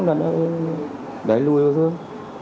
để lùi vào thương